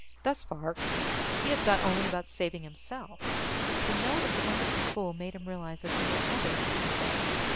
Thus far, he had thought only about saving himself. But the note at the end of the spool made him realize that there were others to save.